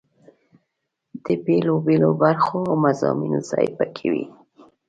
د بېلا بېلو برخو او مضامینو ځای په کې وي.